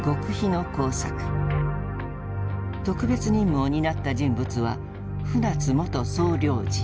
特別任務を担った人物は「船津元総領事」。